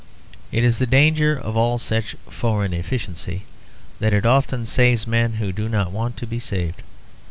It is the danger of all such foreign efficiency that it often saves men who do not want to be saved.